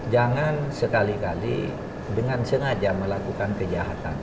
jangan sekali kali dengan sengaja melakukan kejahatan